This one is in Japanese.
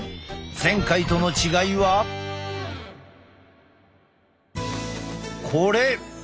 前回との違いはこれ！